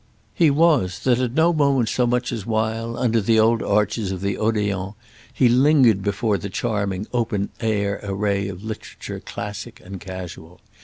He was that at no moment so much as while, under the old arches of the Odéon, he lingered before the charming open air array of literature classic and casual.